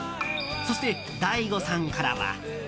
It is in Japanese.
そして、大悟さんからは。